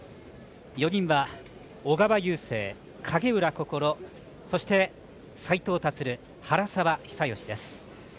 ４人は小川雄勢影浦心そして、斉藤立原沢久喜です。